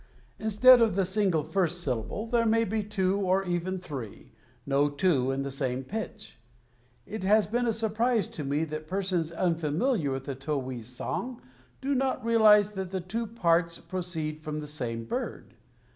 Instead of the single first syllable there may be two or even three, no two in the same pitch. It has been a surprise to me that persons unfamiliar with the towhee's song do not realize that the two parts proceed from the same bird.